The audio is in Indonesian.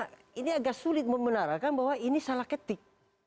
nah ini agak sulit membenarkan bahwa ini salah ketik